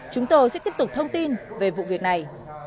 chúng tôi sẽ tiếp tục thông tin về vụ việc này